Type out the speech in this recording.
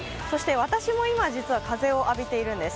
私も今、実は風を浴びているんです